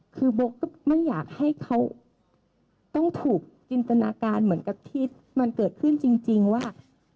คือโบ๊ก็ไม่อยากให้เขาต้องถูกจินตนาการเหมือนกับที่มันเกิดขึ้นจริงว่า